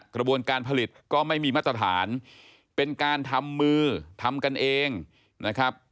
กระบวนการผลิตก็ไม่มีมาตรฐานเป็นการทำมือทำกันเองนะครับ